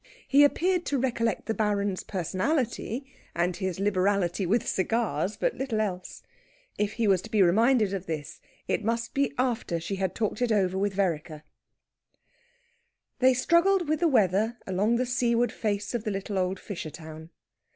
He appeared to recollect the Baron's personality, and his liberality with cigars, but little else. If he was to be reminded of this, it must be after she had talked over it with Vereker. They struggled with the weather along the seaward face of the little old fisher town.